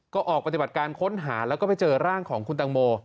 ก็ออกปฏิบัติการค้นหาแล้วก็ไปเจอร่างของคุณตังโม